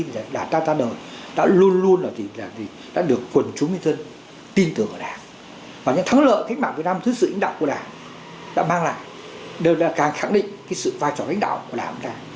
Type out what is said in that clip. đảng ta đã luôn luôn được quần chúng dân tin tưởng vào đảng và những thắng lợi thích mạng việt nam sự lãnh đạo của đảng đã mang lại đều đã càng khẳng định sự vai trò lãnh đạo của đảng